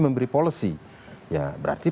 memberi policy ya berarti